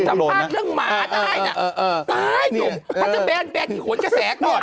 ถ้าจะแบนแบนหวนกระแสก่อน